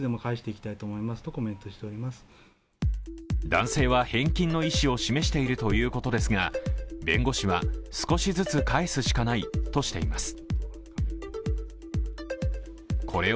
男性は返金の意思を示しているということですが、弁護士は、少しずつ返すしかないとしています。